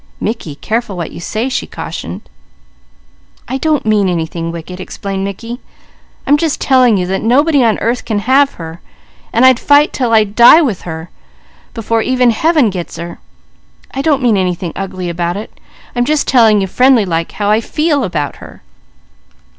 "Mickey, be careful what you say," she cautioned. "I don't mean anything wicked," explained Mickey. "I'm just telling you that nobody on earth can have her, and I'd fight 'til I'd die with her, before even Heaven gets her. I don't mean anything ugly about it. I'm just telling you friendly like, how I feel about her."